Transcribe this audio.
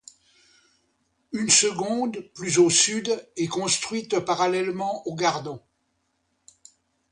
Une seconde, plus au sud, est construite parallèlement au Gardon.